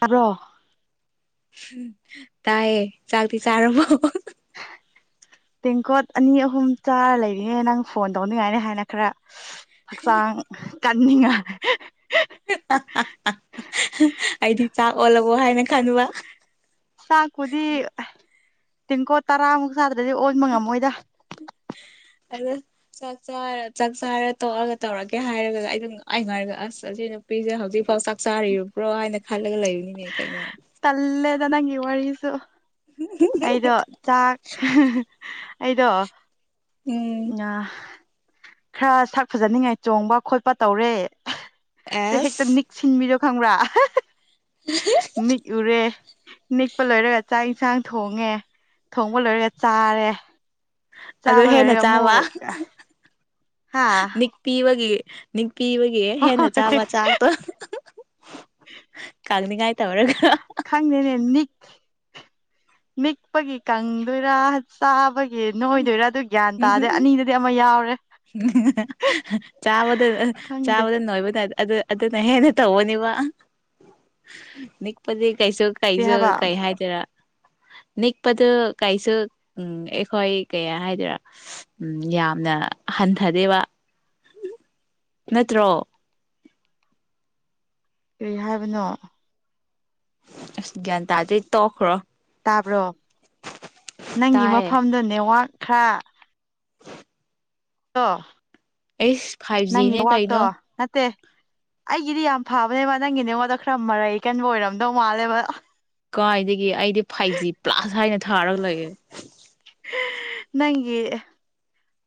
ꯇꯥꯕ꯭ꯔꯣ ꯇꯥꯏꯌꯦ ꯆꯥꯛꯇꯤ ꯆꯥꯔꯕꯣ ꯇꯦꯡꯀꯣꯠ ꯑꯅꯤ ꯑꯍꯨꯝ ꯆꯥꯔ ꯂꯩꯔꯤꯉꯦ ꯅꯪ ꯐꯣꯟ ꯇꯧꯅꯤꯡꯉꯥꯏꯅꯤ ꯍꯥꯏꯅ ꯈꯔ ꯍꯛꯆꯥꯡ ꯀꯟꯅꯤꯡꯉꯥꯏ ꯍꯥꯍꯥꯍꯤ ꯑꯩꯗꯤ ꯆꯥꯛ ꯑꯣꯜꯂꯕꯣ ꯍꯥꯏꯅ ꯈꯟꯕ ꯆꯥꯛꯄꯨꯗꯤ ꯇꯦꯡꯀꯣꯠ ꯑ ꯇꯔꯥꯃꯨꯛ ꯆꯥꯗ꯭ꯔꯗꯤ ꯑꯣꯟꯕ ꯉꯝꯃꯣꯏꯗ [inaudible] ꯆꯥꯛ ꯆꯔ ꯆꯥꯛ ꯆꯥꯔ ꯇꯣꯛꯑꯒ ꯇꯧꯔꯒꯦ ꯍꯥꯏꯔꯒ ꯑꯩ [unintelligible] ꯑꯁ ꯑꯁꯤꯅ ꯅꯨꯄꯤꯁꯦ ꯍꯧꯖꯤꯛꯐꯥꯎ ꯆꯥꯛ ꯆꯥꯔꯤꯕ꯭ꯔꯣ ꯍꯥꯏꯅ ꯈꯜꯂꯒ ꯂꯩꯕꯅꯤꯅꯦ ꯀꯩꯅꯣ ꯇꯜꯂꯦꯗ ꯅꯪꯒꯤ ꯋꯥꯔꯤꯁꯨ ꯑꯩꯗꯣ ꯆꯥꯛ ꯑꯩꯗꯣ ꯎꯝ ꯈꯔ ꯁꯛ ꯐꯖꯅꯤꯉꯥꯏ ꯆꯣꯡꯕ ꯈꯣꯠꯄ ꯇꯧꯔꯦ ꯍꯦꯛꯇ ꯑꯦꯁ ꯅꯤꯛꯁꯤꯟꯕꯤꯗꯣ ꯈꯪꯕ꯭ꯔꯥ ꯅꯤꯛꯎꯔꯦ ꯅꯤꯛꯄ ꯂꯣꯏꯔꯒ ꯆꯥꯛ ꯌꯦꯟꯁꯥꯡ ꯊꯣꯡꯉꯦ ꯊꯣꯡꯕ ꯂꯣꯏꯔꯒ ꯆꯥꯔꯦ ꯑꯗꯣ ꯆꯥꯕ ꯍꯦꯟꯅ ꯂꯣꯏꯔꯒ ꯆꯥꯕ ꯑꯃꯨꯛ ꯍꯥ ꯅꯤꯛꯄꯤꯕꯒꯤ ꯅꯤꯛꯄꯤꯕꯒꯤ ꯍꯦꯟꯅ ꯍꯣꯏ ꯆꯥꯕ ꯆꯥꯛꯇꯣ ꯀꯡꯅꯤꯉꯥꯏ ꯇꯧꯔꯒ ꯈꯪꯗꯦꯅꯦ ꯅꯤꯛ ꯅꯤꯛꯄꯒꯤ ꯀꯪꯗꯣꯏꯔꯥ ꯆꯥꯕꯒꯤ ꯅꯣꯏꯗꯣꯏꯔꯥ ꯑꯗꯨ ꯒ꯭ꯌꯥꯟ ꯇꯥꯗꯦ ꯑꯅꯤꯗꯗꯤ ꯑꯃ ꯌꯥꯎꯔꯦ ꯆꯥꯕꯗ ꯈꯪꯗꯦ ꯆꯥꯕꯗ ꯅꯣꯏꯕ ꯑꯗꯨ ꯑꯗꯨꯅ ꯍꯦꯟꯅ ꯇꯧꯕꯅꯦꯕ ꯅꯤꯛꯄꯗꯤ ꯀꯩꯁꯨ ꯀꯔꯤ ꯀꯩꯁꯨ ꯍꯥꯏꯕ ꯀꯩ ꯍꯥꯏ ꯔ ꯅꯤꯛꯄꯗꯨ ꯀꯩꯁꯨ ꯎꯝ ꯍꯣꯏ ꯀꯩ ꯍꯥꯏꯗꯣꯏꯔꯥ ꯎꯝ ꯌꯥꯝꯅ ꯍꯟꯊꯗꯦꯕ ꯅꯠꯇ꯭ꯔꯣ ꯀꯔꯤ ꯍꯥꯏꯕꯅꯣ ꯑꯁ ꯒ꯭ꯌꯥꯟ ꯇꯥꯗꯦ ꯇꯣꯛꯈ꯭ꯔꯣ ꯇꯥꯕ꯭ꯔꯣ ꯅꯪꯒꯤ ꯇꯥꯏꯌꯦ ꯃꯐꯝꯗꯣ ꯅꯦꯋꯥꯛ ꯈꯔ [unintelligible] ꯑꯩꯁ ꯐꯥꯏꯚ ꯅꯪꯒꯤ ꯖꯤꯅꯦ ꯅꯦꯠꯋꯥꯛꯇꯣ ꯀꯩꯅꯣ ꯅꯠꯇꯦ ꯑꯩꯒꯤꯗꯤ ꯌꯥꯝ ꯐꯕꯅꯦꯕ ꯅꯪꯒꯤ ꯅꯦꯠꯋꯥꯔꯛꯇꯣ ꯈꯔ ꯃꯔꯩ ꯀꯟꯕ ꯑꯣꯏꯔꯝꯗꯧ ꯃꯥꯜꯂꯦꯕ ꯀꯥꯏꯗꯒꯤ ꯑꯩꯗꯤ ꯐꯥꯏꯚ ꯖꯤ ꯄ꯭ꯂꯥꯁ ꯍꯥꯏꯅ ꯊꯥꯔꯒ ꯂꯩꯑꯦ ꯅꯪꯒꯤ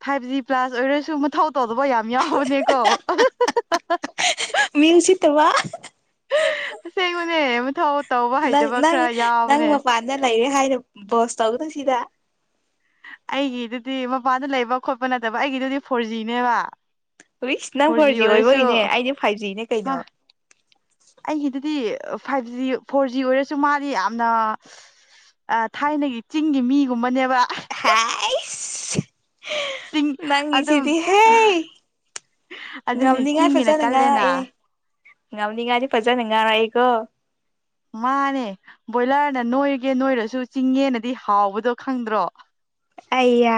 ꯐꯥꯏꯚ ꯖꯤ ꯄ꯭ꯂꯥꯁ ꯑꯣꯏꯔꯁꯨ ꯃꯊꯧ ꯇꯧꯗꯕ ꯌꯥꯝ ꯌꯥꯎꯕꯅꯤꯀꯣ ꯃꯤꯡ ꯁꯤꯠꯇꯕ ꯑꯁꯦꯡꯕꯅꯦ ꯃꯨꯊꯧ ꯇꯧꯕ ꯅꯪ ꯍꯩꯇꯕ ꯅꯪ ꯈꯔ ꯅꯪ ꯌꯥꯎꯕꯅꯦ ꯃꯄꯥꯟꯗ ꯂꯩꯔꯦ ꯍꯥꯏꯅ ꯕꯣꯁ ꯇꯧꯅꯨꯁꯤꯗ ꯑꯩꯒꯤꯗꯨꯗꯤ ꯃꯄꯥꯟꯗ ꯂꯩꯕ ꯈꯣꯠꯄ ꯅꯠꯇꯕ ꯑꯩꯒꯤꯗꯨꯗꯤ ꯐꯣꯔ ꯖꯤꯅꯦꯕ ꯑꯨꯏꯁ ꯅꯪ ꯐꯣꯔ ꯖꯤ ꯑꯣꯏꯕꯒꯤꯅꯦ ꯑꯩꯗꯤ ꯐꯥꯏꯚ ꯖꯤꯅꯦ ꯍꯣꯏ ꯀꯩꯅꯣ ꯑꯩꯒꯤꯗꯨꯗꯤ ꯐꯥꯏꯚ ꯖꯤ ꯐꯣꯔ ꯖꯤ ꯑꯣꯏꯔꯁꯨ ꯃꯥꯗꯤ ꯌꯥꯝꯅ ꯑ ꯊꯥꯏꯅꯒꯤ ꯆꯤꯡꯒꯤ ꯃꯤꯒꯨꯝꯕꯅꯦꯕ ꯍꯥꯏꯁ ꯆꯤꯡ ꯑꯗꯨꯝ ꯅꯪꯪꯒꯤꯁꯤꯗꯤ ꯍꯦ ꯑꯗꯨꯅꯤ ꯉꯝꯅꯤꯉꯥꯏ ꯆꯤꯡꯒꯤꯅ ꯐꯖꯅ ꯀꯜꯂꯦꯅ ꯉꯥꯏꯔꯛꯑꯦ ꯉꯝꯅꯤꯡꯉꯥꯏꯗꯤ ꯐꯖꯅ ꯉꯥꯏꯔꯛꯑꯦꯀꯣ ꯃꯥꯅꯦ ꯕꯣꯏꯂꯔꯅ ꯅꯣꯏꯔꯒꯦ ꯅꯣꯏꯔꯁꯨ ꯆꯤꯡꯉꯦꯅꯗꯤ ꯍꯥꯎꯕꯗꯣ ꯈꯪꯗ꯭ꯔꯣ ꯑꯩꯌꯥ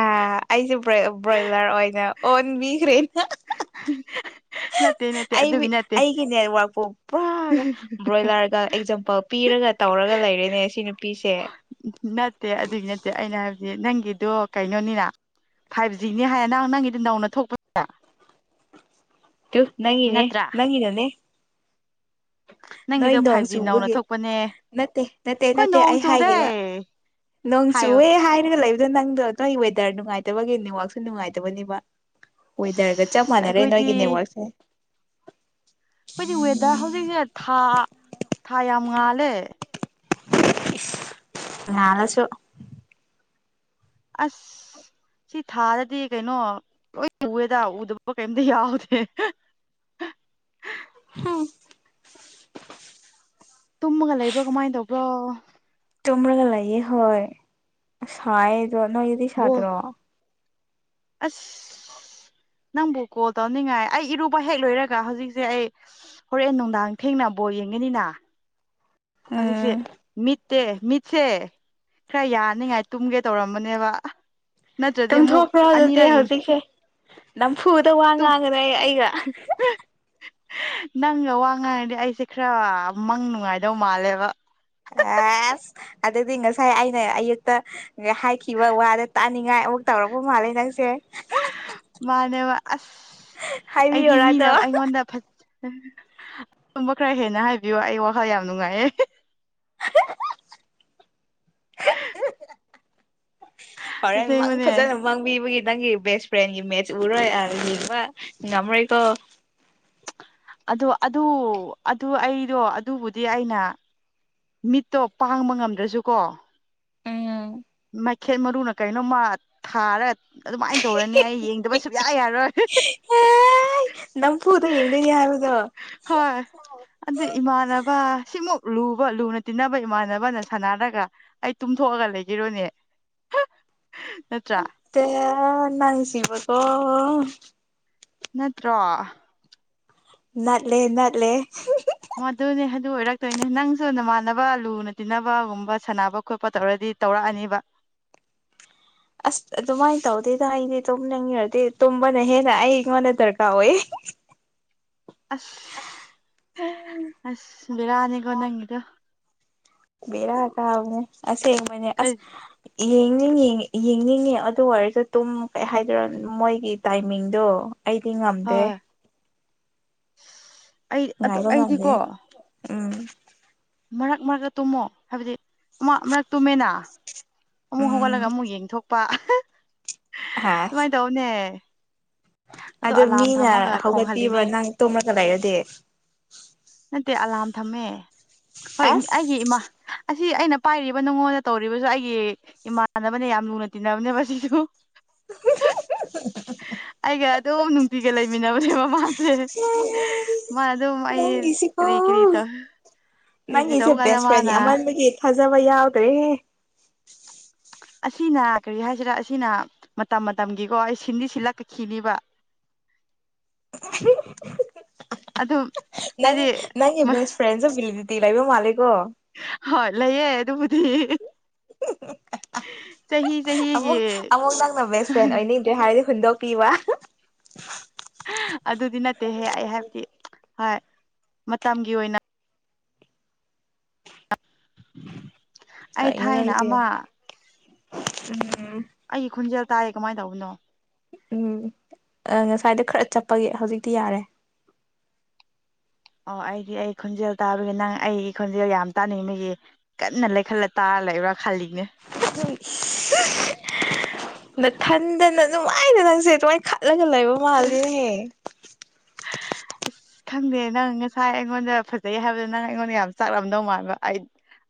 ꯑꯩꯁꯦ ꯕ꯭ꯔꯣꯏ ꯕ꯭ꯔꯣꯏꯂꯔ ꯑꯣꯏꯅ ꯑꯣꯟꯕꯤꯈ꯭ꯔꯦꯅ ꯅꯠꯇꯦ ꯅꯠꯇꯦ ꯑꯗꯨꯒꯤ ꯑꯩ ꯅꯠꯇꯦ ꯑꯩꯒꯤ ꯅꯦꯠꯋꯔꯥꯛꯛꯄꯨ ꯄꯨꯔꯥ ꯕ꯭ꯔꯣꯏꯂꯔ ꯔꯒ ꯑꯦꯛꯖꯥꯝꯄꯜ ꯄꯤꯔꯒ ꯇꯧꯔꯒ ꯂꯩꯔꯦꯅꯦ ꯁꯤ ꯅꯨꯄꯤꯁꯦ ꯅꯠꯇꯦ ꯑꯗꯨꯒꯤ ꯅꯠꯇꯦ ꯑꯩꯅ ꯍꯥꯏꯕꯗꯤ ꯅꯪꯒꯤꯗꯣ ꯀꯩꯅꯣꯅꯤꯅ ꯐꯥꯏꯚ ꯖꯤꯅꯤ ꯍꯥꯏꯌꯦ ꯅꯪ ꯅꯪꯒꯤꯗꯤ ꯅꯧꯅ ꯊꯣꯛꯄ ꯇꯨ ꯅꯪꯉꯅꯦ ꯅꯠꯇ꯭ꯔꯥ ꯅꯪꯅꯅꯦ ꯅꯣꯏ ꯅꯪꯒꯤꯗꯣ ꯅꯣꯡ ꯐꯥꯏꯚ ꯖꯤ ꯅꯧꯅ ꯆꯨꯕꯒꯤ ꯊꯣꯛꯄꯅꯦ ꯑꯩꯈꯣꯏ ꯅꯠꯇꯦ ꯅꯠꯇꯦ ꯅꯠꯇꯦ ꯅꯣꯡ ꯑꯩ ꯆꯨꯗꯦ ꯍꯥꯏꯒꯦꯕ ꯅꯣꯡ ꯍꯥꯏꯌꯣ ꯆꯨꯑꯦ ꯍꯥꯏꯅꯒ ꯂꯩꯕꯗꯣ ꯅꯪꯗꯣ ꯅꯣꯏ ꯋꯦꯗꯔ ꯅꯨꯡꯉꯥꯏꯇꯕꯒꯤ ꯅꯦꯠꯋꯥꯛꯁꯨ ꯅꯨꯡꯉꯥꯏꯇꯕꯅꯤꯕ ꯋꯦꯗꯔꯒ ꯆꯞ ꯑꯁ ꯃꯥꯟꯅꯔꯦ ꯅꯣꯏ ꯑꯩꯈꯣꯏꯗꯤ ꯁꯦ ꯑꯩꯈꯣꯏꯗꯤ ꯋꯦꯗꯔ ꯍꯧꯖꯤꯛꯁꯦ ꯊꯥ ꯊꯥ ꯌꯥꯝ ꯉꯥꯜꯂꯦ ꯅꯂ ꯆꯣ ꯑꯁ ꯁꯤ ꯊꯥꯗꯗꯤ ꯀꯩꯅꯣ ꯂꯣꯏ ꯎꯋꯦꯗ ꯎꯗꯕ ꯀꯩꯝꯇ ꯌꯥꯎꯗꯦ ꯍꯥꯝ ꯇꯨꯝꯃꯒ ꯂꯩꯕ꯭ꯔꯣ ꯀꯃꯥꯏꯅ ꯇꯧꯕ꯭ꯔꯣ ꯆꯨꯝ꯭ꯔꯒ ꯂꯩꯌꯦ ꯍꯣꯏ ꯁꯥꯏꯗꯣ ꯅꯣꯏꯒꯤꯗꯤ ꯕꯣꯜ ꯁꯥꯗ꯭ꯔꯣ ꯑꯁ ꯅꯪꯕꯨ ꯀꯣꯜ ꯇꯧꯅꯤꯡꯉꯥꯏ ꯑꯩ ꯏꯔꯨꯕ ꯍꯦꯛ ꯂꯣꯏꯔꯒ ꯍꯧꯖꯤꯛꯁꯦ ꯑꯩ ꯍꯣꯔꯦꯟ ꯅꯨꯡꯗꯥꯡ ꯊꯦꯡꯅꯕꯣ ꯌꯦꯡꯒꯅꯤꯅ ꯍꯧꯖꯤꯛꯁꯦ ꯎꯝ ꯃꯤꯠꯇꯦ ꯃꯤꯠꯁꯦ ꯈꯔ ꯌꯥꯅꯤꯉꯥꯏ ꯇꯨꯝꯒꯦ ꯇꯧꯔꯝꯕꯅꯦꯕ ꯅꯠꯇ꯭ꯔꯗꯤ ꯑꯃꯨꯛ ꯇꯝꯊꯣꯛꯄ꯭ꯔꯣ ꯑꯗꯨꯗꯤ ꯑꯅꯤꯔꯛ ꯌꯦꯡ ꯍꯧꯖꯤꯛꯁꯦ ꯅꯝꯐꯨꯗ ꯋꯥ ꯉꯥꯡꯒꯗ꯭ꯔꯦ ꯑꯩꯒ ꯅꯪꯒ ꯋꯥ ꯉꯥꯡꯉꯗꯤ ꯑꯩꯁꯦ ꯈꯔ ꯃꯪ ꯅꯨꯡꯉꯥꯏꯗꯧ ꯃꯥꯜꯂꯦꯕ ꯑꯁ ꯑꯗꯨꯗꯤ ꯉꯁꯥꯏ ꯑꯩꯅ ꯑꯌꯨꯛꯇ ꯍꯥꯏꯈꯤꯕ ꯋꯥꯗ ꯇꯥꯅꯤꯡꯉꯥꯏ ꯑꯃꯨꯛ ꯇꯧꯔꯛꯄ ꯃꯥꯜꯂꯦ ꯅꯪꯁꯦ ꯃꯥꯅꯦꯕ ꯑꯁ ꯑꯩꯗꯤ ꯍꯥꯏꯕꯤꯌꯣꯔꯥ ꯑꯗꯣ ꯃꯤꯅ ꯑꯩꯉꯣꯟꯗ ꯐꯖ ꯑꯗꯨꯝꯕ ꯈꯔ ꯍꯦꯟꯅ ꯍꯥꯏꯕꯤꯌꯨ ꯑꯩ ꯋꯥꯈꯜ ꯌꯥꯝ ꯅꯨꯡꯉꯥꯏꯌꯦꯦ ꯍꯣꯔꯦꯟ ꯃꯥꯡ ꯑꯁꯦꯡꯕꯅꯦ ꯐꯖꯅ ꯃꯥꯡꯕꯤꯕꯒꯤ ꯅꯪꯒꯤ ꯕꯦꯁ ꯐ꯭ꯔꯦꯟꯒꯤ ꯃꯦꯠꯆ ꯎꯔꯣꯏ ꯑ ꯌꯦꯡꯕ ꯉꯝꯔꯣꯏꯀꯣ ꯑꯗ ꯑꯗ ꯑꯗꯨ ꯑꯩꯗꯣ ꯑꯗꯨꯕꯨꯗꯤ ꯑꯩꯅ ꯃꯤꯠꯇꯣ ꯄꯥꯡꯕ ꯉꯝꯗ꯭ꯔꯁꯨꯀꯣ ꯎꯝ ꯃꯥꯏꯈꯦꯠ ꯃꯔꯨꯅ ꯀꯩꯅꯣ ꯃꯥꯠ ꯊꯥꯔꯒ ꯑꯗꯨꯃꯥꯏꯅ ꯇꯧꯔꯅꯤ ꯑꯩ ꯌꯦꯡꯗꯕ ꯁꯨꯛꯌꯥ ꯌꯥꯔꯣꯏ ꯍ ꯅꯝ ꯄꯨꯔꯗ ꯌꯦꯡꯗ ꯌꯥꯔꯗꯣ ꯍꯣꯏ ꯑꯗꯨ ꯏꯃꯥꯟꯅꯕ ꯁꯤꯃꯨꯛ ꯂꯨꯕ ꯂꯨꯅ ꯇꯤꯟꯅꯕ ꯏꯃꯥꯟꯅꯕꯅ ꯁꯥꯟꯅꯔꯒ ꯑꯩ ꯇꯨꯝꯊꯣꯛꯑꯒ ꯂꯩꯈꯤꯔꯣꯅꯦ ꯅꯠꯇ꯭ꯔꯥ ꯇ ꯅ ꯁꯤꯕꯀꯣ ꯅꯠꯇ꯭ꯔꯣ ꯅꯅꯥꯠꯂꯦ ꯅꯅꯥꯠꯂꯦ ꯑꯗꯨꯅꯦ ꯑꯗꯨ ꯑꯣꯏꯔꯛꯇꯣꯏꯅꯦ ꯅꯪꯁꯨ ꯅꯃꯥꯟꯅꯕ ꯂꯨꯅ ꯇꯤꯟꯅꯕꯒꯨꯝꯕ ꯁꯥꯟꯅꯕ ꯈꯣꯠꯄ ꯇꯧꯔꯗꯤ ꯇꯧꯔꯛꯑꯅꯤꯕ ꯑꯁ ꯑꯗꯨꯃꯥꯏꯅ ꯇꯧꯗꯦꯗ ꯑꯩꯗꯤ ꯇꯨꯝꯅꯤꯡꯉꯔꯗꯤ ꯇꯨꯝꯕꯅ ꯍꯦꯟꯅ ꯑꯩꯉꯣꯟꯗ ꯗꯔꯀꯥꯔ ꯑꯣꯏ ꯑꯁ ꯑꯁ ꯕꯤꯔꯅꯤꯒ ꯅꯪꯗ ꯕꯦꯔ ꯀꯕꯅꯦ ꯑꯁꯦꯡꯕꯅꯦ ꯀꯩ ꯑꯁ ꯌꯦꯡꯅꯤꯡ ꯌꯦꯡꯅꯤꯡꯉꯦ ꯑꯗꯨ ꯑꯣꯏꯔꯁꯨ ꯇꯨꯝ ꯀꯩ ꯍꯥꯏꯗꯣꯏꯔꯣ ꯃꯣꯏꯒꯤ ꯇꯥꯏꯃꯤꯡꯗꯣ ꯑꯩꯗꯤ ꯉꯝꯗꯦ ꯍꯣꯏ [unintelligible] ꯉꯥꯏꯕ ꯑꯩꯗꯤꯀꯣ ꯉꯗꯦ ꯎꯝ ꯃꯔꯛ ꯃꯔꯛꯇ ꯇꯨꯝꯃꯣ ꯍꯥꯏꯕꯗꯤ ꯃꯛ ꯃꯔꯛ ꯇꯨꯝꯃꯦꯅ ꯑꯃꯨꯛ ꯍꯧꯒꯠꯂꯒ ꯎꯝ ꯑꯃꯨꯛ ꯌꯦꯡꯊꯣꯛꯄ ꯍꯥꯁ ꯑꯗꯨꯃꯥꯏꯅ ꯇꯧꯅꯦ ꯑꯗꯣ ꯑꯗ ꯑꯂꯥꯔꯝ ꯃꯤꯅ ꯊꯝꯃꯒ ꯍꯧꯒꯠꯄꯤꯕ꯭ꯔꯥ ꯈꯣꯡꯍꯜꯂꯤꯅꯦ ꯅꯪ ꯇꯣꯝꯂꯒ ꯂꯩꯔꯗꯤ ꯅꯠꯇꯦ ꯑꯂꯥꯝ ꯊꯝꯃꯦ ꯍꯣꯏ ꯑꯩꯒꯤ ꯑꯁ ꯏꯃꯥ ꯑꯁꯤ ꯑꯩꯅ ꯄꯥꯏꯔꯤꯕ ꯅꯨꯡꯉꯣꯟꯗ ꯇꯧꯔꯤꯕꯁꯨ ꯑꯩꯒꯤ ꯏꯃꯥꯟꯅꯕꯅꯦ ꯌꯥꯝ ꯂꯨꯅ ꯇꯤꯟꯅꯕꯅꯦ ꯁꯤꯁꯨ ꯑꯩꯒ ꯑꯗꯨꯝ ꯅꯨꯡꯇꯤꯒ ꯂꯩꯃꯤꯟꯅꯕꯅꯦ ꯃꯃꯥꯁꯦ ꯃꯥ ꯑꯗꯨ ꯑꯩ ꯀꯔꯤ ꯀꯔꯤ ꯇ ꯅꯪ ꯑꯩꯁꯦ ꯕꯦꯁ ꯐ꯭ꯔꯦꯟꯅꯤ ꯑꯃꯕꯒꯤ ꯊꯥꯖꯕ ꯌꯥꯎꯗ꯭ꯔꯦ ꯑꯁꯤꯅ ꯀꯔꯤ ꯍꯥꯏꯁꯤꯔꯥ ꯑꯁꯤꯅ ꯃꯇꯝ ꯃꯇꯝꯒꯤꯀꯣ ꯑꯩ ꯁꯤꯟꯗꯤꯁꯤ ꯂꯥꯛꯈꯤꯅꯤꯕ [unintelligible] ꯑꯗꯨ ꯅꯪ ꯅꯪꯒꯤ ꯐ꯭ꯔꯦꯟꯁ ꯑꯣꯐꯤꯜꯗꯇꯤ ꯏꯂ ꯏꯕꯣ ꯃꯥꯂꯒꯣ ꯍꯣꯢ ꯂꯩꯌꯦ ꯑꯗꯨꯕꯨꯗꯤ ꯆꯍꯤ ꯆꯍꯤꯒꯤ ꯑꯃꯨꯛ ꯑꯃꯨꯛ ꯅꯪꯅ ꯕꯦꯁ ꯐ꯭ꯔꯦꯟ ꯑꯣꯏꯅꯤ ꯀꯦ ꯍꯥꯏꯗꯤ ꯍꯨꯟꯗꯣꯛꯄꯤꯕ ꯑꯗꯨꯗꯤ ꯅꯠꯇꯦꯍꯦ ꯑꯩ ꯍꯥꯏꯕꯗꯤ ꯍꯣꯏ ꯃꯇꯝꯒꯤ ꯑꯣꯏꯅ ꯑꯩ ꯀꯩꯅꯣ ꯊꯥꯏꯅ ꯅꯪꯁꯦ ꯑꯃ [unintelligible] ꯑꯩꯒꯤ ꯈꯣꯟꯖꯦꯜ ꯇꯥꯌꯦ ꯀꯃꯥꯏꯅ ꯇꯧꯕꯅꯣ ꯎꯝ ꯉꯁꯥꯏꯗꯣ ꯈꯔ ꯆꯠꯄꯒꯤ ꯍꯧꯖꯤꯛꯇꯤ ꯌꯥꯔꯦ ꯑꯣ ꯑꯩꯗꯤ ꯑꯩ ꯈꯣꯟꯖꯦꯜ ꯇꯥꯕꯒꯤ ꯅꯪ ꯑꯩꯒꯤ ꯈꯣꯟꯖꯦꯜ ꯌꯥꯝ ꯇꯥꯅꯤꯡꯕꯒꯤ ꯀꯟꯅ ꯂꯩꯈꯠꯂ ꯇꯥꯔ ꯂꯩꯕ꯭ꯔꯥ ꯈꯜꯂꯤꯅꯦ [unintelligible] ꯅ ꯊꯟꯗꯅ ꯅꯨꯡꯉꯥꯏꯅ ꯅꯪꯁꯦ ꯑꯗꯨꯃꯥꯏꯅ ꯈꯠꯂꯒ ꯂꯩꯕ ꯃꯥꯜꯂꯦꯍꯦ [inaudible] [inaudible] ꯑꯁ ꯈꯪꯗꯦ ꯅꯪ ꯉꯁꯥꯏ ꯑꯩꯉꯣꯟꯗ ꯐꯖꯩ ꯍꯥꯏꯕꯗꯣ ꯅꯪ ꯑꯩꯉꯣꯟꯗ ꯌꯥꯝ ꯆꯥꯛꯂꯝꯝꯗꯧ ꯃꯥꯟꯕ ꯑꯩ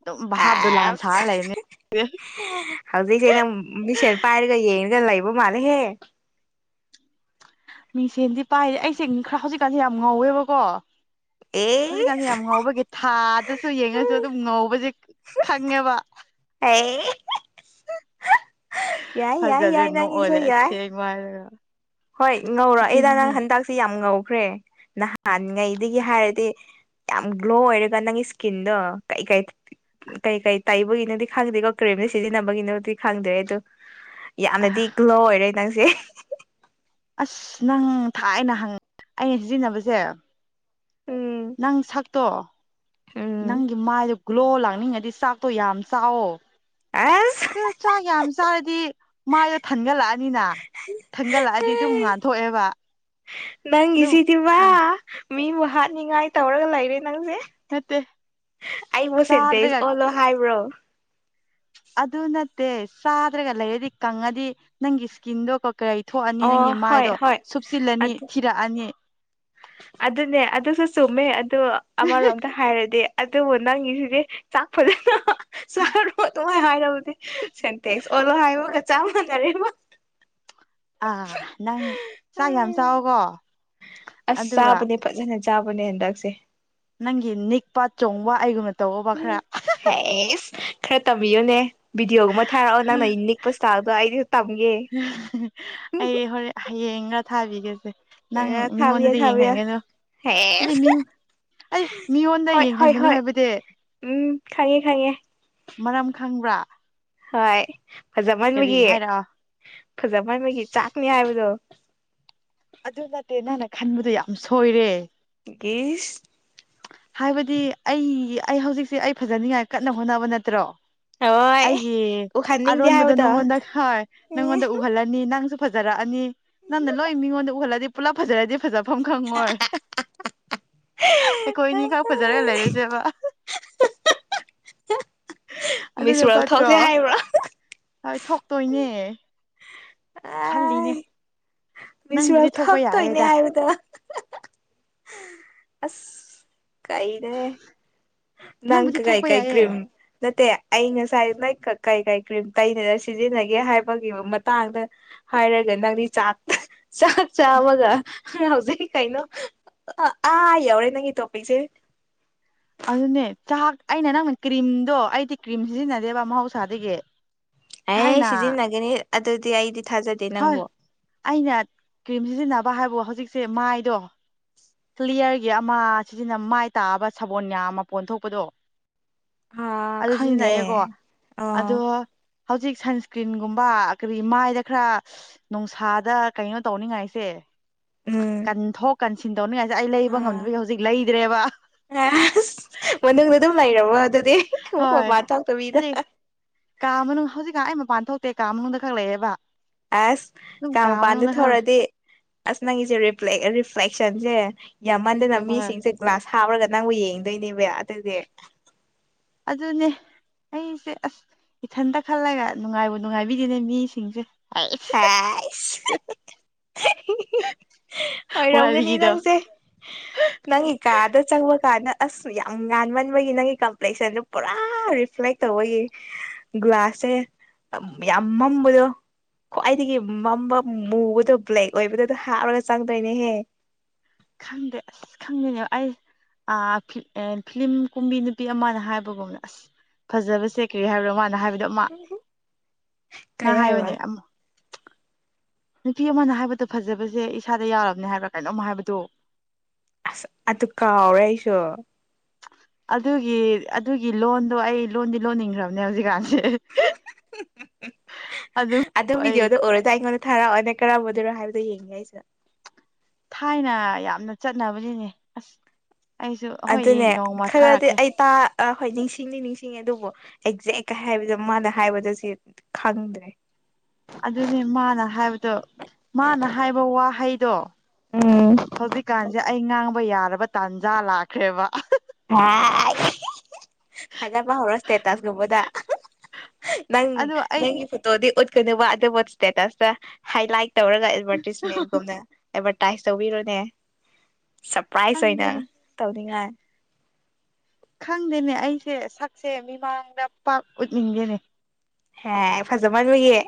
ꯑꯗꯨꯝ ꯚꯥꯞ ꯗꯣꯂꯥꯟ ꯑꯁ ꯁꯥꯔꯒ ꯂꯩꯔꯝꯅꯤ ꯍꯧꯖꯤꯛꯁꯦ ꯅꯪ ꯃꯤꯁꯟ ꯄꯥꯏꯔꯒ ꯌꯦꯡꯅꯒ ꯂꯩꯕ ꯃꯥꯜꯂꯦꯍꯦ ꯃꯤꯡꯁꯦꯟꯗꯤ ꯄꯥꯏꯔꯤ ꯑꯩꯁꯦ ꯈꯔ ꯍꯧꯖꯤꯛꯀꯥꯟꯁꯦ ꯌꯥꯝ ꯉꯧꯋꯦꯕꯀꯣ ꯍꯧꯖꯤꯛ ꯑꯦꯁ ꯀꯥꯟꯁꯤ ꯌꯥꯝ ꯉꯧꯕꯒꯤ ꯊꯥꯗꯁꯨ ꯌꯦꯡꯉꯁꯨ ꯑꯗꯨꯝ ꯉꯧꯕꯁꯦ ꯈꯪꯉꯦꯕ ꯑꯩ ꯌꯥꯏ ꯌꯥꯏ ꯊꯖꯗ꯭ꯔꯦ ꯌꯥꯏ ꯅꯣꯛ ꯑꯥꯒ ꯅꯪꯒꯤꯁꯨ ꯂꯩꯔꯦ ꯌꯥꯏ ꯑꯁꯦꯡꯕ ꯍꯥꯏꯔꯒ ꯍꯣꯏ ꯉꯧꯔꯣ ꯏꯇꯥ ꯅꯪ ꯑꯁꯦꯡꯕꯅꯦ ꯍꯟꯗꯛꯁꯤ ꯌꯥꯝ ꯉꯧꯈ꯭ꯔꯦ ꯅꯍꯥꯟꯉꯩꯗꯒꯤ ꯍꯥꯏꯔꯗꯤ ꯌꯥꯝ ꯒ꯭ꯂꯣ ꯑꯣꯏꯔꯒ ꯅꯪꯒꯤ ꯏꯁꯀꯤꯟꯗꯣ ꯀꯩ ꯀꯩ ꯀꯩ ꯀꯩ ꯇꯩꯕꯒꯤꯅꯣꯗꯤ ꯈꯪꯗꯦꯀꯣ ꯀ꯭ꯔꯤꯝ ꯁꯤꯖꯤꯟꯅꯕꯒꯤꯅꯣꯗꯤ ꯈꯪꯗꯦ ꯑꯗꯨ ꯌꯥꯝꯅꯗꯤ ꯒ꯭ꯂꯣ ꯑꯣꯏꯔꯦ ꯅꯪꯁꯦ ꯑꯁ ꯅꯪ ꯊꯥꯏꯅ ꯍꯪ ꯑꯩꯅ ꯁꯤꯖꯤꯟꯅꯕꯁꯦ ꯎꯝ ꯅꯪ ꯁꯛ ꯇꯣ ꯎꯝ ꯅꯪꯒꯤ ꯃꯥꯏꯗꯣ ꯒ꯭ꯂꯣ ꯂꯥꯛꯅꯤꯡꯉꯗꯤ ꯆꯥꯛꯇꯣ ꯌꯥꯝ ꯆꯥꯎꯋꯣ ꯑꯁ ꯆꯥꯛ ꯌꯥꯝ ꯆꯥꯔꯗꯤ ꯃꯥꯏꯗꯣ ꯊꯟꯒꯠꯂꯛꯑꯅꯤꯅ ꯊꯟꯒꯠꯂꯛꯑꯗꯤ ꯑꯗꯨꯝ ꯉꯥꯟꯊꯣꯛꯑꯦꯕ ꯑꯗꯨꯝ ꯅꯪꯒꯤꯁꯤꯗꯤꯚ ꯑꯥ ꯃꯤꯕꯨ ꯍꯥꯠꯅꯤꯉꯥꯏ ꯇꯧꯔꯒ ꯂꯩꯔꯦ ꯅꯪꯁꯦ ꯅꯠꯇꯦ ꯑꯩꯕꯨ ꯁꯦꯠꯇꯦꯛ ꯆꯥꯗ꯭ꯔꯒ ꯑꯣꯜꯂꯣ ꯍꯥꯏꯕ꯭ꯔꯣ ꯑꯗꯨ ꯅꯠꯇꯦ ꯆꯥꯗ꯭ꯔꯒ ꯂꯩꯗꯔꯥꯗꯤ ꯀꯪꯉꯗꯤ ꯅꯪꯒꯤ ꯏꯁꯀꯤꯟꯗꯣ ꯊꯣꯛꯑꯅꯤ ꯅꯪꯒꯤ ꯑꯣ ꯍꯣꯏ ꯃꯥꯏꯗꯣ ꯍꯣꯏ ꯁꯨꯞꯆꯤꯜꯂꯅꯤ ꯑꯗꯨ ꯊꯤꯔꯛꯑꯅꯤ ꯑꯗꯨꯅꯦ ꯑꯗꯨꯁꯨ ꯆꯨꯝꯃꯦ ꯑꯗꯨ ꯑꯃꯔꯣꯝꯗ ꯍꯥꯏꯔꯗꯤ ꯑꯗꯨꯕꯨ ꯅꯪꯒꯤꯁꯤꯗꯤ ꯆꯥꯛ ꯐꯖꯅ ꯆꯥꯔꯣ ꯑꯗꯨꯉꯥꯏ ꯍꯥꯏꯔꯕꯗꯤ ꯁꯦꯟꯇꯦꯛꯁ ꯑꯣꯜꯂꯣ ꯍꯥꯏꯕꯒ ꯆꯞ ꯃꯥꯟꯅꯔꯦꯕ ꯑꯥ ꯅꯪ ꯆꯥꯛ ꯌꯥꯝ ꯆꯥꯎꯀꯣ ꯑꯁ ꯑꯗꯨꯒ ꯆꯥꯕꯅꯦ ꯐꯖꯅ ꯆꯥꯕꯅꯦ ꯍꯟꯗꯛꯁꯦ ꯅꯪꯒꯤ ꯅꯤꯛꯄ ꯆꯣꯡꯕ ꯑꯩꯒꯨꯝꯅ ꯇꯧꯕ ꯈꯔ ꯑꯦ ꯑꯦꯁ ꯈꯔ ꯇꯝꯕꯤꯌꯨꯅꯦ ꯚꯗꯤꯑꯣꯒꯨꯝꯕ ꯊꯥꯔꯛꯑꯣ ꯅꯪꯅ ꯁꯥꯕꯗꯣ ꯑꯩꯗꯤ ꯇꯝꯒꯦ ꯑꯩ ꯍꯣꯔꯦꯟ ꯍꯌꯦꯡꯒ ꯊꯥꯕꯤꯒꯦꯁꯦ ꯅꯪ ꯊꯥꯕꯤꯌꯣ ꯃꯤꯉꯣꯟꯗꯗꯤ ꯊꯥꯕꯤꯌꯣ ꯌꯦꯡꯍꯟꯒꯅꯨ ꯍꯥꯏꯗꯤ ꯍꯦꯁ ꯃꯤ ꯑꯩ ꯃꯤꯉꯣꯟꯗ ꯍꯣꯏ ꯍꯣꯏ ꯌꯦꯡꯍꯟꯒꯅꯨ ꯍꯣꯏ ꯍꯥꯏꯕꯗꯤ ꯎꯝ ꯈꯪꯉꯦ ꯈꯪꯉꯦ ꯃꯔꯝ ꯈꯪꯕ꯭ꯔꯥ ꯍꯣꯏ ꯀꯔꯤ ꯐꯖꯃꯟꯕꯒꯤ ꯍꯥꯏꯔꯛꯑꯣ ꯐꯖꯃꯟꯕꯒꯤ ꯆꯥꯛꯅꯤ ꯍꯥꯏꯕꯗꯣ ꯑꯗꯨ ꯅꯠꯇꯦ ꯅꯪꯅ ꯈꯟꯕꯗꯣ ꯌꯥꯝ ꯁꯣꯏꯔꯦ ꯏꯁ ꯍꯥꯏꯕꯗꯤ ꯑꯩ ꯑꯩ ꯍꯧꯖꯤꯛꯁꯦ ꯑꯩ ꯐꯖꯅꯤꯡꯉꯥꯏ ꯀꯟꯅ ꯍꯣꯠꯅꯕ ꯅꯠꯇ꯭ꯔꯣ ꯍꯣꯏ ꯑꯩꯒꯤ ꯎꯍꯟꯅꯤꯡꯗꯦ ꯑꯔꯣꯟꯕꯗꯣ ꯍꯥꯏꯕꯗꯣ ꯅꯪꯉꯣꯟꯗ ꯍꯣꯏ ꯅꯪꯉꯣꯟꯗ ꯎꯍꯜꯂꯒ ꯅꯪꯁꯨ ꯐꯖꯔꯛꯑꯅꯤ ꯅꯪꯅ ꯂꯣꯏ ꯃꯤꯉꯣꯟꯗ ꯎꯍꯜꯂꯗꯤ ꯄꯨꯂꯞ ꯐꯖꯔꯗꯤ ꯐꯖꯕ ꯃꯐꯝ ꯈꯪꯉꯣꯏ ꯑꯩꯈꯣꯏ ꯏꯅꯤꯈꯛ ꯐꯖꯔ ꯂꯩꯔꯁꯦꯕ ꯑꯗꯨꯅ ꯃꯤꯁꯋꯣ꯭ꯔꯜ ꯐꯠꯇ꯭ꯔꯣ ꯊꯣꯛꯁꯦ ꯍꯥꯏꯕ꯭ꯔꯣ ꯍꯣꯏ ꯊꯣꯛꯇꯣꯏꯅꯦ ꯈꯜꯂꯤꯅꯦ ꯅꯪꯕꯨꯗꯤ ꯃꯤꯁꯋꯣ꯭ꯔꯜ ꯊꯣꯛꯄ ꯊꯛꯇꯣꯏꯅꯦ ꯌꯥꯏꯌꯦꯗ ꯍꯥꯏꯕꯗ ꯑꯁ ꯀꯥꯏꯅꯣꯍꯦ ꯅꯪꯕꯨꯗꯤ ꯅꯪꯀ ꯊꯣꯛꯄ ꯀꯥꯏ-ꯀꯥꯏ ꯌꯥꯏꯌꯦ ꯀ꯭ꯔꯤꯝ ꯅꯠꯇꯦ ꯑꯩ ꯉꯁꯥꯏ ꯀꯩ ꯀꯩ ꯀ꯭ꯔꯤꯝ ꯇꯩꯅꯅ ꯁꯤꯖꯤꯟꯅꯒꯦ ꯍꯥꯏꯕꯒꯤ ꯃꯇꯥꯡꯗ ꯍꯥꯏꯔꯒ ꯅꯪꯗꯤ ꯆꯥꯛ ꯆꯥꯛ ꯆꯥꯃꯒ ꯍꯧꯖꯤꯛ ꯀꯩꯅꯣ ꯑꯥ ꯌꯥꯎꯔꯦ ꯅꯪꯒꯤ ꯇꯣꯄꯤꯛꯁꯦ ꯑꯗꯨꯅꯦ ꯆꯥꯛ ꯑꯩꯅ ꯅꯪꯅ ꯀ꯭ꯔꯤꯝꯗꯣ ꯑꯩꯗꯤ ꯀ꯭ꯔꯤꯝ ꯁꯤꯖꯤꯟꯅꯗꯦꯕ ꯃꯍꯧꯁꯥꯗꯒꯤ ꯑꯦ ꯊꯥꯏꯅ ꯁꯤꯖꯤꯟꯅꯒꯅꯤ ꯑꯗꯨꯗꯤ ꯑꯩꯗꯤ ꯊꯥꯖꯗꯦ ꯍꯣꯏ ꯅꯪꯕꯨ ꯑꯩꯅ ꯀ꯭ꯔꯤꯝ ꯁꯤꯖꯤꯟꯅꯕ ꯍꯥꯏꯕ ꯍꯧꯖꯤꯛꯁꯦ ꯃꯥꯏꯗꯣ ꯀ꯭ꯂꯤꯌꯥꯂꯤꯌꯥꯔꯒꯤ ꯑꯃ ꯁꯤꯖꯤꯅ ꯃꯥꯏ ꯇꯥꯛꯑꯕ ꯁꯥꯕꯣꯟ ꯃꯌꯥꯝ ꯑꯃ ꯄꯣꯟꯊꯣꯛꯄꯗꯣ ꯑ ꯑꯗꯨ ꯈꯪꯗꯦ ꯁꯤꯖꯤꯟꯅꯩꯌꯦꯀꯣ ꯑꯗꯣ ꯑꯣ ꯍꯧꯖꯤꯛ ꯁꯟꯁꯀ꯭ꯔꯤꯟꯒꯨꯝꯕ ꯀꯔꯤ ꯃꯥꯏꯗ ꯈꯔ ꯅꯨꯡꯁꯥꯗ ꯀꯩꯅꯣ ꯇꯧꯅꯤꯡꯉꯥꯏꯁꯦ ꯎꯝ ꯀꯟꯊꯣꯛ ꯀꯟꯁꯤꯟ ꯇꯧꯅꯤꯡꯉꯥꯏꯁꯦ ꯑꯩ ꯑ ꯂꯩꯕ ꯉꯝꯗꯕꯁ ꯍꯧꯖꯤꯛ ꯂꯩꯗ꯭ꯔꯦꯕ ꯑꯁ ꯃꯅꯨꯡꯗ ꯑꯗꯨꯝ ꯂꯩꯔꯕꯣ ꯑꯗꯨꯗꯤ ꯍꯣꯏ ꯃꯄꯥꯟ ꯊꯣꯛꯇꯕꯤꯗ ꯍꯧꯖꯤꯛ ꯀꯥ ꯃꯅꯨꯡ ꯍꯧꯖꯤꯛꯀ ꯑꯩ ꯃꯄꯥꯟ ꯊꯣꯛꯇꯦ ꯀꯥ ꯃꯅꯨꯡꯗ ꯈꯛ ꯂꯩꯑꯦꯕ ꯑꯁ ꯀ ꯃꯄꯥꯟꯗ ꯊꯣꯔꯗꯤ ꯑꯁ ꯅꯪꯒꯤꯁꯦ ꯔꯤꯐ꯭ꯂꯦꯛꯁꯟꯁꯦ ꯌꯥꯝꯃꯟꯗꯅ ꯍꯣꯏ ꯃꯤꯁꯤꯡꯁꯦ ꯒ꯭ꯂꯥꯁ ꯍꯥꯞꯔꯒ ꯅꯪꯕꯨ ꯌꯦꯡꯗꯣꯏꯅꯦꯕ ꯑꯗꯨꯗꯤ ꯑꯗꯨꯅꯦ ꯑꯩꯁꯦ ꯑꯁ ꯏꯊꯟꯇ ꯈꯜꯂꯒ ꯅꯨꯡꯉꯥꯏꯕ ꯅꯨꯡꯉꯥꯏꯕꯤꯔꯤꯅꯦ ꯃꯤꯁꯤꯡꯁꯦ ꯍꯥꯏꯁ ꯍꯥꯏꯁ ꯑꯣꯏꯔꯝꯒꯅꯤ ꯅꯪꯁꯦ ꯅꯪꯒꯤ ꯀꯥꯗ ꯆꯪꯕ ꯀꯥꯟꯗ ꯑꯁ ꯌꯥꯝ ꯉꯥꯟꯃꯟꯕꯒꯤ ꯅꯪꯒꯤ ꯀꯝꯄ꯭ꯂꯦꯛꯁꯟꯗꯨ ꯄꯨꯔꯥ ꯔꯤꯐ꯭ꯂꯦꯛ ꯇꯧꯕꯒꯤ ꯒ꯭ꯂꯥꯁꯁꯦ ꯌꯥꯝ ꯃꯝꯕꯗꯣ ꯈ꯭ꯋꯥꯏꯗꯒꯤ ꯃꯝꯕ ꯃꯨꯕꯗꯣ ꯕ꯭ꯂꯦꯛ ꯑꯣꯏꯕꯗ ꯑꯗꯨ ꯍꯥꯞꯂꯒ ꯆꯪꯗꯣꯏꯅꯦꯍꯦ ꯈꯪꯗꯦ ꯑꯁ ꯈꯪꯗꯅꯦ ꯑꯩ ꯐꯤꯂꯤꯂꯝ ꯀꯨꯝꯕꯤ ꯅꯨꯄꯤ ꯑꯃꯅ ꯍꯥꯏꯕꯒꯨꯝꯅ ꯑꯁ ꯐꯖꯕꯁꯦ ꯀꯔꯤ ꯍꯥꯏꯕ꯭ꯔꯣ ꯃꯥꯅ ꯍꯥꯏꯕꯗꯣ ꯑꯃ ꯀꯩ ꯅꯪ ꯍꯥꯏꯕ ꯍꯥꯏꯌꯅꯦ ꯅꯨꯄꯤ ꯑꯃꯅ ꯍꯥꯏꯕꯗꯣ ꯐꯖꯕꯁꯦ ꯏꯁꯥꯗ ꯌꯥꯎꯔꯕꯅꯦ ꯍꯥꯏꯕ꯭ꯔꯥ ꯀꯩꯅꯅꯣꯝꯃ ꯍꯥꯏꯕꯗꯣ ꯑꯁ ꯑꯗꯨ ꯀꯥꯎꯔꯦ ꯑꯩꯁꯨ ꯑꯗꯨꯒꯤ ꯑꯗꯨꯒꯤ ꯂꯣꯟꯗꯣ ꯑꯩ ꯂꯣꯟꯗꯤ ꯂꯣꯟꯅꯤꯡꯈ꯭ꯔꯕꯅꯦ ꯍꯧꯖꯤꯛꯀꯥꯟꯁꯦ ꯑꯗꯨ ꯑꯗꯣ ꯑꯩ ꯕꯤꯗꯤꯑꯣꯗ ꯑꯣꯏꯔ ꯑꯗ ꯑꯩꯉꯣꯟꯗ ꯊꯥꯔꯛꯑꯣꯏ ꯀꯔꯝꯕ ꯑꯣꯏꯗꯅꯣ ꯍꯥꯏꯕꯗꯣ ꯌꯦꯡꯉꯦ ꯑꯩꯁꯦ ꯊꯥꯏꯅ ꯌꯥꯝꯅ ꯆꯠꯅꯕꯅꯤꯅꯦ ꯑꯁ ꯑꯩꯁꯨ ꯍꯣꯏ ꯑꯗꯨꯅꯦ ꯅꯣꯡꯃ ꯈꯔꯗꯤ ꯊꯥꯔꯛꯀꯦ ꯑꯩ ꯇ ꯑꯥ ꯍꯣꯏ ꯅꯤꯡꯁꯤꯡꯅꯤ ꯅꯤꯡꯁꯤꯡꯉ ꯑꯗꯨꯕꯨ ꯑꯦꯛꯖꯦꯛ ꯀꯩ ꯍꯥꯏꯕꯗꯣ ꯃꯥꯅ ꯍꯥꯏꯕꯗꯁꯨ ꯈꯪꯗ꯭ꯔꯦ [inaudible] ꯑꯗꯨꯅꯦ ꯃꯥꯅ ꯍꯥꯏꯕꯗꯣ ꯃꯥꯅ ꯍꯥꯏꯕ ꯋꯥꯍꯩꯗꯣ ꯎꯝ ꯍꯧꯖꯤꯛꯀꯥꯟꯁꯦ ꯑꯩ ꯉꯥꯡꯕ ꯌꯥꯔꯕ ꯇꯥꯟꯖꯥ ꯂꯥꯛꯈ꯭ꯔꯦꯕ ꯍꯥ ꯊꯒꯄꯥ ꯍꯔꯣ ꯁꯇꯦꯇꯁꯒꯕꯗ ꯅꯪ ꯑꯗꯣ ꯅꯪ ꯑꯩꯗꯤ ꯐ ꯣꯗꯤ ꯎꯠꯀꯕ ꯑꯗꯨꯕꯨ ꯏꯁꯇꯦꯇꯁꯇ ꯍꯥꯏ ꯂꯥꯏꯠ ꯇꯧꯔꯒ ꯑꯦꯗꯚꯔꯇꯤꯁꯃꯦꯟꯒꯨꯝꯅ ꯑꯦꯚꯔꯇꯥꯏꯁ ꯇꯧꯕꯤꯔꯣꯅꯦ ꯁꯔꯄ꯭ꯔꯥꯏꯁ ꯑꯣꯏꯅ ꯈꯪꯗꯦꯅꯦ ꯇꯧꯅꯤꯡꯉꯥꯏ ꯈꯪꯗꯦꯅꯦ ꯑꯩꯁꯦ ꯁꯛꯁꯦ ꯃꯤꯃꯥꯡꯗ ꯄꯥꯛ ꯎꯠꯅꯤꯡꯗꯦꯅꯦ ꯍꯦ ꯐꯖꯕꯒꯤ